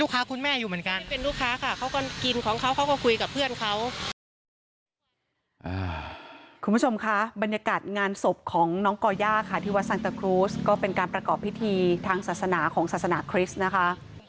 คุณผู้ชมคะบรรยากาศงานศพของน้องก่อย่าค่ะที่วัดสังตะครูสก็เป็นการประกอบพิธีทางศาสนาของศาสนาคริสต์นะคะ